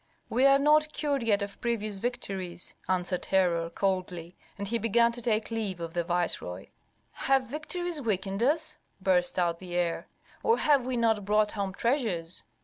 "We are not cured yet of previous victories," answered Herhor, coldly; and he began to take leave of the viceroy. "Have victories weakened us?" burst out the heir. "Or have we not brought home treasures?"